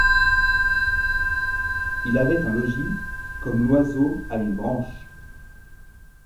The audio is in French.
Il avait un logis comme l'oiseau a une branche.